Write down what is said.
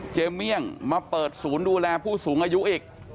เมี่ยงมาเปิดศูนย์ดูแลผู้สูงอายุอีก